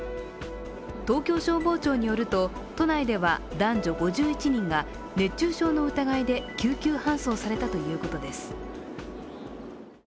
東京消防庁によると、都内では男女５１人が熱中症の疑いで救急搬送されたということです。